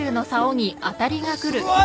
うわ！